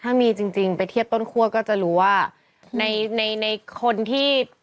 ถ้ามีจริงไปเทียบต้นคั่วก็จะรู้ว่าในในคนที่